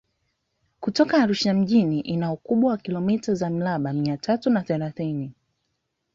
Kutoka Arusha mjini ina ukubwa wa kilometa za mraba mia tatu na thelathini